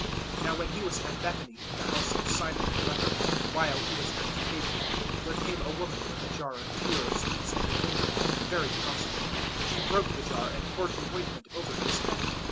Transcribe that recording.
014:003 Now when He was at Bethany, in the house of Simon the Leper, while He was at table, there came a woman with a jar of pure, sweet scented ointment very costly: she broke the jar and poured the ointment over His head.